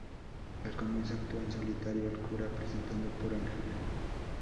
Al comienzo actúa en solitario el cura, presentado por Ángela.